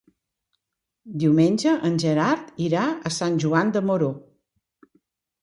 Diumenge en Gerard irà a Sant Joan de Moró.